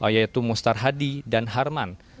yaitu mustar hadi dan harman